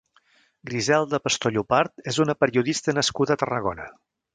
Griselda Pastor Llopart és una periodista nascuda a Tarragona.